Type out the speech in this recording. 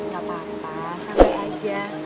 gak apa apa santai aja